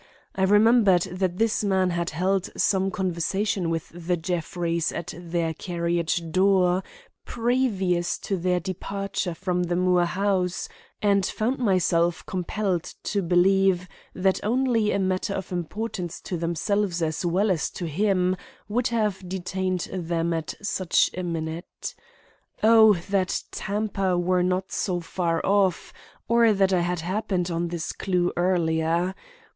I remembered that this man had held some conversation with the Jeffreys at their carriage door previous to their departure from the Moore house, and found myself compelled to believe that only a matter of importance to themselves as well as to him would have detained them at such a minute. Oh, that Tampa were not so far off or that I had happened on this clue earlier!